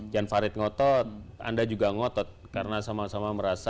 jan farid ngotot anda juga ngotot karena sama sama merasa